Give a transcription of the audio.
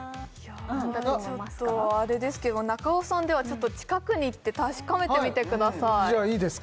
ちょっとあれですけど中尾さん近くに行って確かめてみてくださいいいですか？